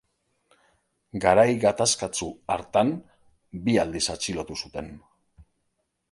Garai gatazkatsu hartan, bi aldiz atxilotu zuten.